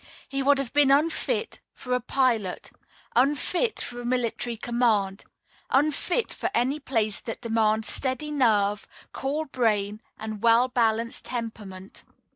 He would have been unfit for a pilot, unfit for military command, unfit for any place that demands steady nerve, cool brain, and well balanced temperament.